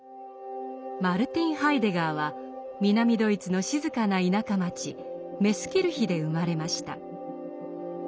マルティン・ハイデガーは南ドイツの静かな田舎町メスキルヒで生まれました。